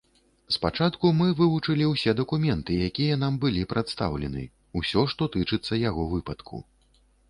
Спачатку мы вывучылі ўсе дакументы, якія нам былі прадастаўлены, усё, што тычыцца яго выпадку.